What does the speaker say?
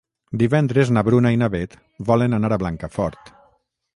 Divendres na Bruna i na Beth volen anar a Blancafort.